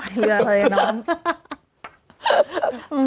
หายเรือเลยอะน้อง